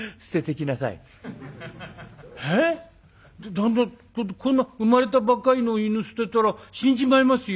旦那だってこんな生まれたばっかりの犬捨てたら死んじまいますよ」。